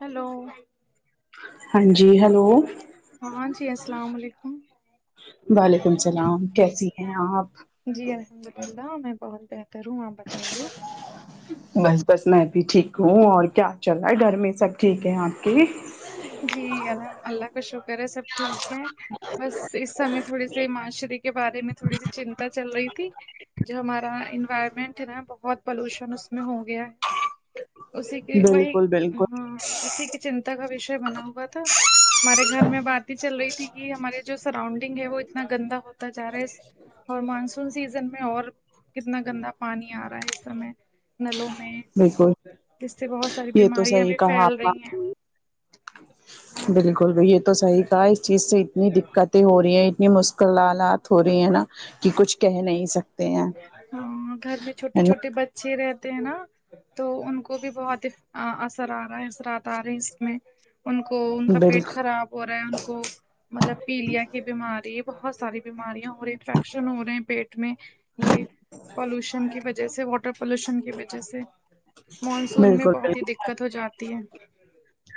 Hello ہاں جی hello ہاں جی السلام علیکم وعلیکم اللام کیسی ہیں آپ جی الحمد اللہ میں بہت بہ بس بس میں بھی ٹھیک ہوں اور کیا چل رہا ہے ڈھر میں سب ٹھیک ہے آپ کے بھی جی الحم اللہ کا شکر ہے سب ٹھیک ہے بس اس سمے تھوڑے س معاشرری کے بارے میں تھوڑی سی چنتا چل رہی تھی جو ہمارا انوائرمنٹ ہے نا بہت پولوشن اس میں ہو گیا ہے اسی کی وہی بالکل بالکل ہاں اسی کی چنتا کا وشے بنا ہوا تھا ہمارے گھر میں بات ہی چل رہی تھی کہ ہماراری جو سراؤنڈنگ ہے وہ اتنا گندا ہو ہوتا جا رہا ہے اور مانسون سیزن میں اور کتنا گندا پانی آ رہا ہے اس سمے نلوں میں بالکل جس سے بہت ساری بیماریاں بھی پھیل رہی ہیں اچھا بالکل ب یہ تو صحیح کہا اس چیز سے اتنی دقتیں ہو رہی ہیں اتنی م لالات ہو رہی ہے نا کہ کچھ کہہ نہیں سکتے ہیں ہاں گھر میں چھوٹے ہے نا چھوٹے بچے رہتے ہیں نا تو ان کو بھی بہت اثر آ رہا اثرات آ رہے اس میں ان کو ان کا پیٹ بالکل خراب ہو رہا ہے ان کو مطلب پیلیا کی بیماری بہت ساری بیماریاں ہو رہی انفیکشن ہو رہے ہیں پیٹ میں یہ پالوشن کی وجہ سے واٹر پالوشن کی وجہ سے مانسون میں بالکل بہت ہی بالکل دقت ہو جاتی ہے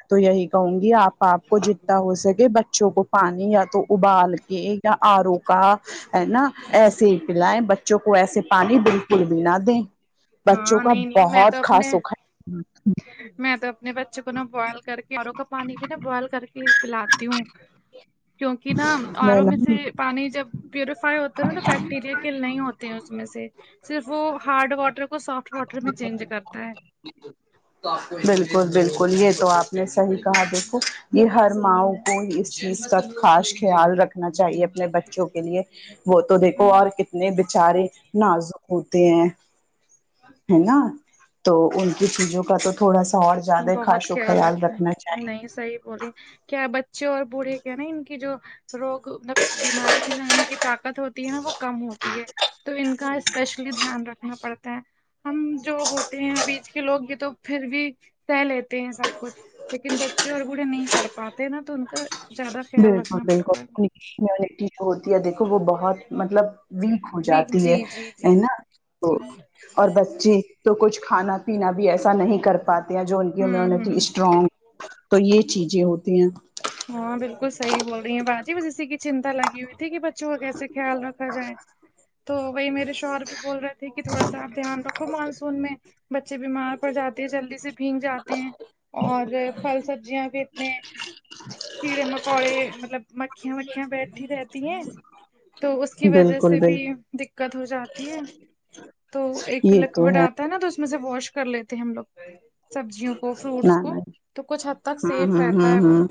تو یہی کہوں گی آپ آپ کو جتنا ہو سکے بچوں کو پانی یا تو ابال کے یا آرو کا ہے نا ایسے ہی پلائیں بچوں کو ایسے پانی بالکل بھی نہ دیں بچوں ہاں کا نہیں نہیں میں بہت تو خاص اپنے سکھا میں تو اپنے بچوں کو نہا بوائل کر کے اوروں کا پانی بھی ن بوائل کر کے پلاتی ہوں کیونکہ نا ہے آروں میں نا۔ سے پانی جب پیوریفائی ہوتا ہے نا تو بیکٹیریا کے نہیں ہوتے ہیں اس میں سے صرف وہ ہارڈ واٹر کو سافٹ واٹر میں چینج کرتا ہے بالکل بالکل یہ تو آپ نے صحیح کہا دیکھو یہ ہر ماؤ کو اس چیز کا خاص خیال رکھا نا چاہیے اپنے بچوں کے لیے وہ تو دیکھو اور ہمم کتنے اپنے بچارے نازک ہوتے ہیں ہے نا تو ان کی چیزوں کا تو تھوڑا سا اور زیادہ بہت خاص و خیال رکھنا چاہیے نہیں صحیح بولی کیا بچے اور بوڑھے کے نا ان کی جو روگ مطلب بیماری سے لڑنے کی طاقت ہوتی ہے نا وہ کم ہوتی ہے تو ان کا اسپیشلی دھیان رکھنا پڑتا ہے ہم جو ہوتے ہیں بیچ کے لوگ بھی تو پھر بھی سہ لیتے ہیں سب کچھ لیکن بچے اور بوڑھے نہیں کر پاتے نا تو ان کا زیادہ خیال بالکل، رکھنا بالکل، پڑتا ہے [inaudible] ہوتی ہے دیکھو وہ بہت مطلب ویک ہو جی جاتی ہے جی جی ہے نا تو اور بچے تو کچھ کھانا پینا بھی ایسا نہیں کر پاتے ہیں جو ان کی ہوں امیونٹی ہوں اسٹرانگ تو یہ چیزیں ہوتی ہیں ہاں بالکل صحی بول رہی ہیں باجی بس اسی کی چنتا لگی ہوئی تھی کہ بچوں کیسے خیال رکھا جائے تو وہی میرے شوہر بھی بول رہے تھے کہ تھوڑا سا آپ دھیان رکھو مانسون میں بچے بیمار پڑ جاتے ہیں جلدی سے بھینگ جاتے ہیں اور پھل سبزیاں بھی اتنے کیڑے مکوڑے مطلب مکھیا مکھیا بیٹھی رہتی ہیں تو اس کی وجہ سے بالکل بھی بالکل دقت ہو جاتی ہے تو ایک یہ تو لکوڑ آتا ہے نا تو اس میں سے واش کر لیتے ہم لوگ سبزیوں کو فروٹس نا نا کو تو کچھ حد تک ہوں سیف ہوں رہتا ہے ہوں وہ ہوں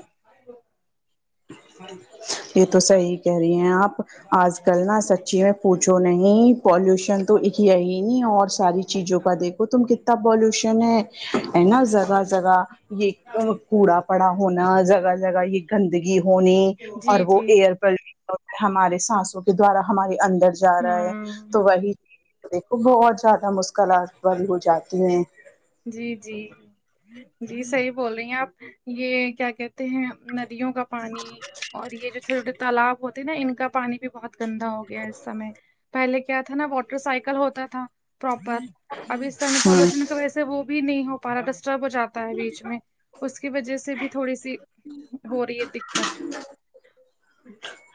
یہ تو صحی کہہ رہی ہیں آپ آج کل نا سچی ہے پوچھو نہیں پالوشن تو ایک یقینی اور ساری چیزوں کا دیکھو تم کتنا پالوشن ہے ہے نا جگہ جگہ یہ کوڑا پڑا ہونا جگہ جگہ یہ گند ہونی اور جی وہ جی ایئر پوش ہمارے سانسوں کے دوارا ہمارے اندر جا رہا ہے ہوں تو وہی دیکھو ب زیادہ مسکلات بی ہو جاتی ہیں جی جی جی صحیح بول رہی ہیں آپ یہ کیا کہتے ہیں ندیوں کا پانی اور یہ جو چھوٹے تالاب ہوتا نا ان کا پانی بھی بہت گندا ہو گیا اس سمے پہلے کیا تھا نا واٹر سائیکل ہوتا تھا پرپر ابھی اس سے ہوں پالوشن ویسے وہ بھی نہیں ہو پا رہا ڈسٹرب ہو جاتا ہے بیچ میں اس کی وجہ سے بھی تھوڑی سی ہو رہی ہے دقت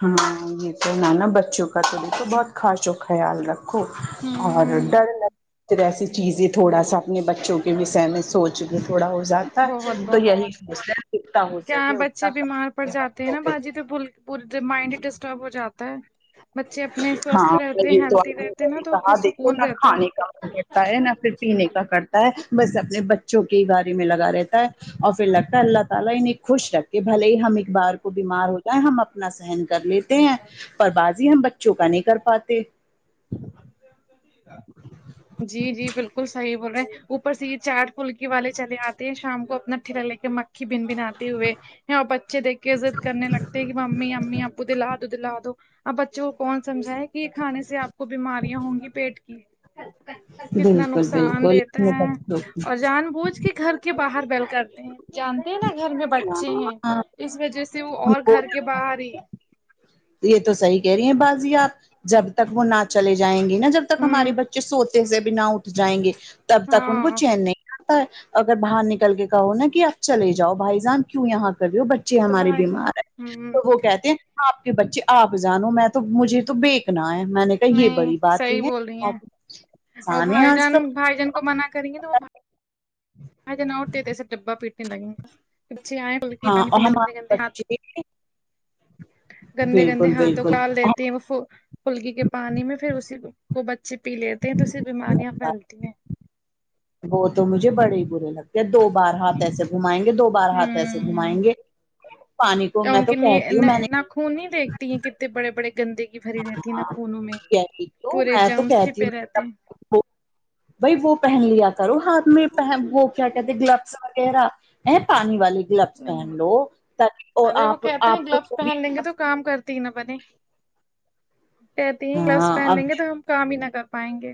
ہاں یہ تو ن نا بچوں کا تو بھی تو بہت خاص و خیال رکھ و اور ہوں ڈر لگ ایسی چیزیں تھوڑا سا اپنے بچوں کے بھی سے میں سوچ کے تھوڑا ہو جاتا بہت ہے تو یہی بہت سوچتا اتنا ہو کیا سکے اتنا بچے کا بیمار پڑ جاتے ہیں نا بازی پورے دن مائنڈ ہی ڈسٹرب ہو جاتا ہے بچے اپنے ہاں سوستھ رہتے ہیں یہ تو ہیلدی آپ نے رہتے نا صحیح تو کہا پھر دیکھو سکون نہ رہتا ہے کھانے کا من کرتا ہے نہ پھر پینے کا کرتا ہے بس اپنے بچوں کی ہی گاڑ میں لگا رہتا ہے [inaudible] اپنا سہن کر لیتے ہیں پر بازی ہم بچوں کا نہیں کر پاتے جی جی بالکل صحیح بول رہے ہیں اوپر سے یہ چاٹ پھلکی والے چلے آتے ہیں شام کو اپنا ھ لے کے بن بناتتے ہوئے ہے اور بچے دیکھ کے ضد کرنے لگتے کہ ممی امی آپو دلاات دلا دو اب بچوں کون سمجھا ہے کہ یہ کھانے سے آپ کو بیماریاں ہوں گی پیٹ کی کتنا بالکل نقصان بالکل دیتا میں ہے بچوں اور کی- جان بوجھ کے گھر کے باہر بیل کرتے ہیں جانتے ہیں نا گھر میں بچے ہیں ہاں اس وجہ سے وہ ان اور کو گھر کے باہر ہی یہ تو صحیح کہہ رہی ہیں بازی آپ جب تک وہ نہ چلے جائیں گی نا جب تک ہمارے ہوں بچے سوتے سے بھی نہ اٹھ جائیں گے تب تک ان کو ہاں چین نیی اگر باہر نکل کے کہو نا کہ آپ چلے جاؤ بھائی جان کیوں یہاں کر رہی ہو ب بچے تو ہمارے بھائی بیمار ہے ہوں تو وہ کہتے ہیں آپ کے بچے آپ جانو میں تو مجھے تو بییکنا ہے میں نے کہا یہ نہیں بڑی بات صحیح ہوئی ہے بول رہی ہیں اور آسان ہے بھائی آج جان کل بھائی جان کو منع کریں گے تو وہ آ ج ن اٹتے تھ ایسے ڈبا پیٹنے لگیں گا بچے آئے [inaudible] بولک ہاں پانی اور پینے گے ہمارے گے ہاتھ [inaudible] بچے گندے گندے بالکل ہاتھوں کو آال دیتی بالکل ہیں وہ پھلکی کے پانی میں پھر اسی کو بچے پی لیتے ہیں تو اسے بیماریاں پھیلتی ہیں وہ تو مجھے بڑے ہی برے لگتے یا دو بار ہاتھ ایسے گھمائیں گے دو بار ہاتھ ایسے ہوں گھمائیں گے پانی کو یا میں ان تو کے نی- کہتی ہوں میں نا- نے ناخون نہیں دیکھتی ہیں کتنے بڑے بڑے گندے بھری رہتی ہے نا خونوں میں کیا تو پورے میں تو جام چھپے رہتے بھیی وہ پہن لیا کرو ہاتھ میں وہ کیا کہتے گلبس وغیرہ ہے پانی والے گلبس نہیں پہن لو تو ارے آپ آپ کو جو بھی تی نہ بنے کہتی ہیں گلوس ہاں پہن اب لیں گے تو ہم کام ہی نہ کر پائیں گے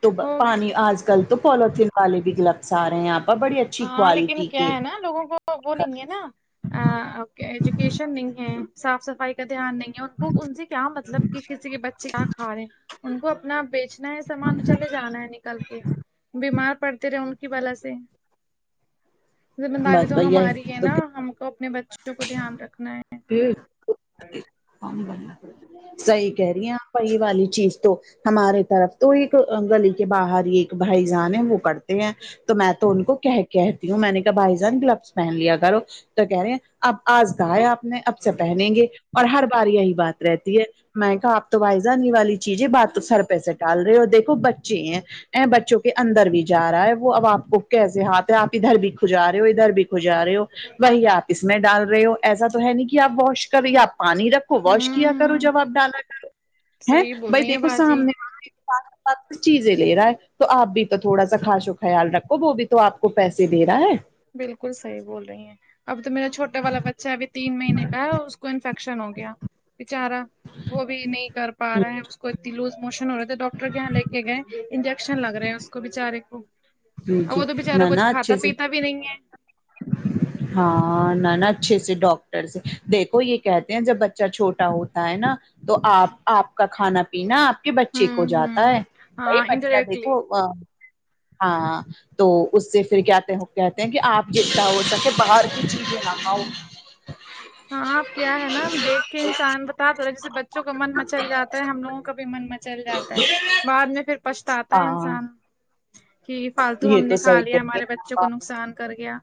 تو ہوگے پانی آج کل تو پالوتھین والے بھی گلپس آ رہے ہیں آپ اور بڑی اچھی ہاں کوالٹی لیکن کیا کے ہے نا لوگوں کو وہ نہیں ہے نا کہ ایجوکیشن نہیں ہے صاف صفائی دھیان نہیں ہے ان کو ان سے کیا مطلب کہ کسی کے بچے کیا کھا رہے ہیں ان کو اپنا بیچ چنا ہے سامان چلے جانا ہے نکل کے بیمار پڑتے رہے ان کی بلا سے ذمہ داری بس تو بھیا ہماری ہے نا ہم کو اپنے بچو وں کو دھیان رکھنا ہے تو صحیح کہہ رہی ہیں آپ وہی والی چیز تو ہمارے طرف تو ایک گلی کے باہر ہی ایک بھائی جان ہے وہ کرتے ہیں تو میں تو ان کو کہ کہتی ہوں میں نے کہا بھائی جان گلبس پہن لیا کرو تو کہہ رہے ہیں اب آج کہا ہے آپ نے اب سے پہنیں گے اور ہر بار یہی بات رہتی ہے میں نے کہا آپ تو بھائی جان یہ والی چیزیں بات تو سر پہ سے ٹال رہے اور دیکھو بچے ہیں ا بچوں کے اندر بھی جا رہا ہے وہ اب آپ کو کیسے ہاتھ ہے آپ ادھر بھی کھجا رہے ہو ادھر بھی کھجا رہے ہو وہی آپ اس میں ڈال رہے ہو ایسا تو ہے نہیں کہ آپ واش کر یا آپ پانی رکھو ہوں واش کیا کرو ہوں جب آپ ڈالا کرو ہیں صحیح بول بھائی رہی ہیں دیکھو باجی سامنے چیزیں لے رہا ہے تو آپ بھی تو تھوڑا سا کاش خیال رکھو وہ بھی تو آپ کو پیسے دے رہا ہے بلکل صحیح بول رہی ہیں اب تو میراچھوٹا والا بچہ ابھی تین مہینے کا ہے اس کو انفیکٹ کشن ہو گیا بچارا وہ بھی نہیں کر پا رہا ہے اس کو اتنی لوز موشن ہو رہا تھے ڈاکٹر ٹر کےاں لے کے گئے انجیکشن لگ رہے ہیں اس کو بچارے کو جی اور جی وہ تو نہ بچارا نہ کچھ کھاتا اچھے سے پیتا بھی نہیں ہے [inaudible] ہاں نہ نا اچھے سے ڈاکٹر سے دیکھو یہ کہتے ہیں جب بچہ چھوٹا ہوتا ہے نا تو آپ آپ کا کھانا پینا آپ کے بچے کو ہوں ہوں جاتا ہے بائی ہاں بچہ دیکھو انڈائریکٹلی ہاں تو اس سے پھر کیاتے ہیں کہتے ہیں کہ آپ جتا ہو تاکہ باہر کی چیزیں نہ کھاؤ ہاں اب کیا ہے نا ہم دیکھ کے انسان بتا تو رہے جیسے بچوں کا من مچل جاتا ہے ہم لوگوں کا بھی من م چل جاتا ہے بعد میں پھر پچھتا ہے ہاں انسان کہ فالتو یہ ہم تو نے کھا صحیح لیا کہتی ہمارے ہیں بچوں کو آپ، نقصان کر گیا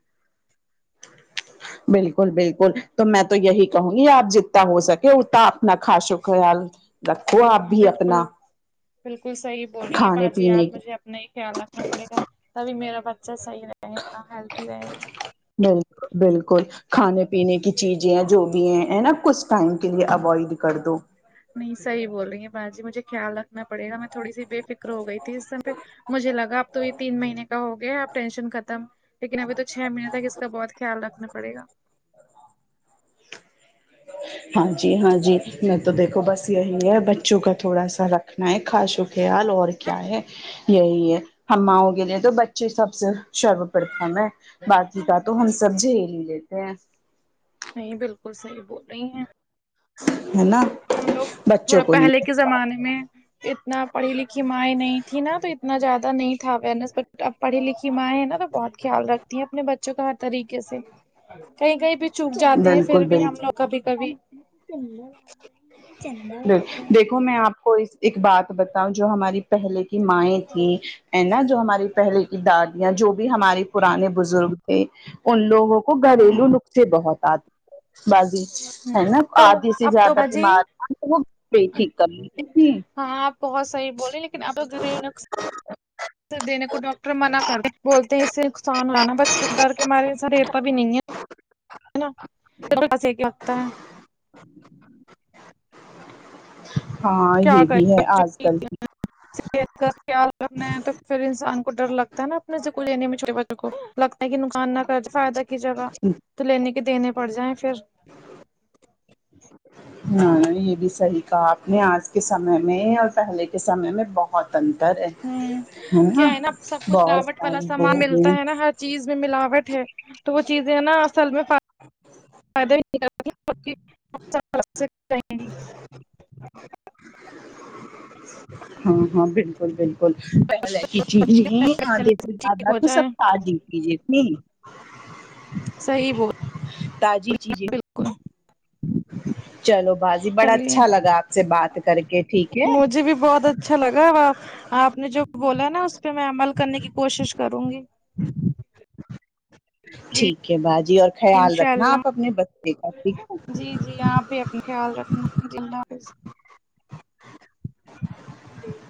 [inaudible] بالکل بالکل تو میں تو یہی کہوں گی آپ جتنا ہو سکے اتنا اپنا خاش و خیال رکھو آپ نہیں بھی اپنا بالکل کھانے پینے کے نہیں خیال رکھنا پڑے گا تبھی میرا بچہ صحیح رہے گا ہیلدی رہے گا بالکل کھانے پینے کی چیزیں جو بھی ہیں نا کچھ ٹائم کے لیے اوائڈ کر دو نہیں صحی بول رہی ہیں با جی مجھے خیال رکھناڑے گا میں تھوڑی بے فکر ہو گئی تھی اس سم پہ مجھے لگا اب تو یہ تین مہینے کا ہو گیا اب ٹینشن ختم لیکن ابھی تو چھ مہینے تک اس کا بہت خیال رکھنا پڑے گا ہاں جی ہاں جی میں تو دیکھو بس یہی ہے بچوں کا تھوڑا سا رکھنا ہے خاص و خیال اور کیا ہے یہی ہے ہماؤ لی تو بچے سب سے سرو پرتم ہے باتی کا تو ہم سب جھیل ہی لیتے ہیں نہیں بالکل صحیح بول رہی ہیں ہے نا ہم لوگ بچوں تھوڑا کو پہلے نہیں کے زمانے میں اتنا پڑھی لکھی مائ نہیں تھی نا تو اتنا زیادہ نہیں تھا اوئرنیس پر اب پڑھی لکھی مائیں ہے نا تو بہت خیال رکھتی ہیں اپنے بچوں کا ہر طریقے سے کہیں کہیں بھی چپ جاتے ہیں بالکل پھر بھی ہم بالکل لوگ کبھی کبھی چندا دیکھو میں آپ کو ایک بات بتاؤ جو ہماری پہلے کی مائیں تھی ا نا جو ہماری پہلے کی دار دیاں جو بھی ہمارے پرانے بزرگ تھے ان لوگوں کو گھریلو اب نسخے بہت آتے ہیں بضی ہے نا تو آدھی سے اب تو زیادہ باجی بیمار وہ ٹھیک کر ہاں آپ بہت صحیح بولے ہیں لیکن آپ گریلو نقس دینے کو ڈاکٹر منع کرتے بولتے ہیں اس سے نقصان ہوانا بچوں کو ڈر کے مارے ریتاا بھی نہیں ہے [inaudible] ا [inaudible] ہاں یہ بھی ہے آج کل کی کھیت کا خیال رکھنا ہے تو پھر انسان کو ڈر لگتا ہے نا اپنے سےکل لینے میں چوٹے بچوں کو لگتا ہے کہ نقصان نہ فائدہ کی جگہ تو لینے کے دینے پڑ جائیں پھر ہاں یہ بھی صحیح کہا آپ نے آج کے سمے میں اور پہلے کے سمے میں بہت [inaudible] ہ کیا ہے نا سب کچھ بہت لاوٹ والا ساری وہ سامان ہو گئی ملتا ہے نا ہر چیز میں ملاوٹ ہے تو وہ چیزیں نا اصل میں [inaudible] [inaudible] ہاں ہاں بالکل بالکل پ لے کی [inaudible] جی جی آدے پ دادا ٹھیک ہو تو جائے سبتا جی کیجیے ت [inaudible] صحیح بول تاجی چیزیں بالکل چلو بازی بڑا چلیے اچھا لگا آپ سے بات کر کے ٹھیک ہے مجھے بھی بہت اچھا لگا اب آپ نے جو بولا نا اس پہ میں عمل کرنے کی کوشش کروں گی [inaudible] [inaudible] جی ٹھیک ہے باجی اور خیال انشاء رکھنا اللہ آپ اپنے بچے کا ٹھیک ہے جی جی یہاں پہ خیال رکھنا اپنا جی الله حافظ [inaudible] [inaudible]